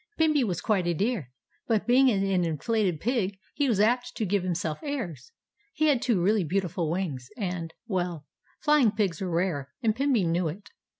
Pimby was quite a dear, but, being an inflated pig, he was apt to give himself airs; he had two really beautiful wings, and well Flying Pigs are rare, and Pimby knew it.